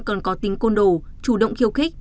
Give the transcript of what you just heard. còn có tính côn đồ chủ động khiêu khích